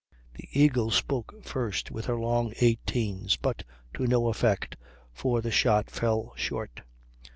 The Eagle spoke first with her long 18's, but to no effect, for the shot fell short.